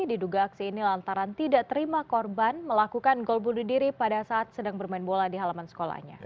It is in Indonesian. diduga aksi ini lantaran tidak terima korban melakukan gol bunuh diri pada saat sedang bermain bola di halaman sekolahnya